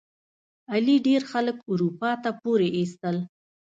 علي ډېر خلک اروپا ته پورې ایستل.